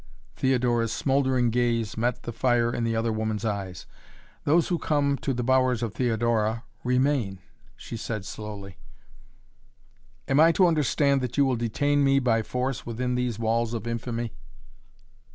Theodora's smouldering gaze met the fire in the other woman's eyes. "Those who come to the bowers of Theodora, remain," she said slowly. "Am I to understand that you will detain me by force within these walls of infamy?"